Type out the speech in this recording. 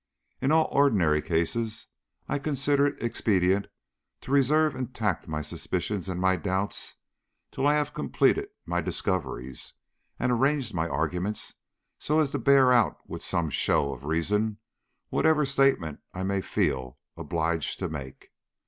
In all ordinary cases I consider it expedient to reserve intact my suspicions and my doubts till I have completed my discoveries and arranged my arguments so as to bear out with some show of reason whatever statement I may feel obliged to make.